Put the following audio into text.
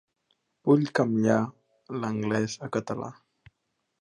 Vull canviar l'anglès a català.